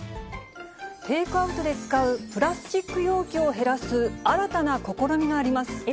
テイクアウトで使うプラスチック容器を減らす新たな試みがあります。